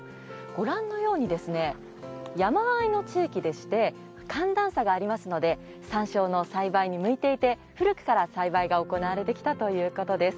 ご覧のように山あいの地域でして寒暖差がありますので山椒の栽培に向いていて古くから栽培が行われてきたということです。